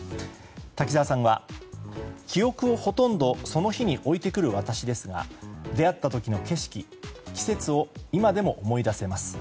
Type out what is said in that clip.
滝沢さんは、記憶をほとんどその日に置いてくる私ですが出会った時の景色、季節を今でも思い出せます。